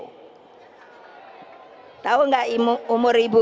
hai tahu enggak imut umur ibu